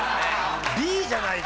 Ｂじゃないと。